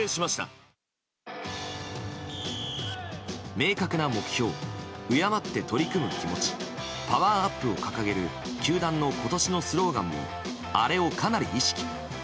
明確な目標敬って取り組む気持ちパワーアップを掲げる球団の今年のスローガンもアレを、かなり意識。